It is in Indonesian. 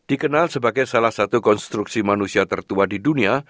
dikenal sebagai salah satu konstruksi manusia tertua di dunia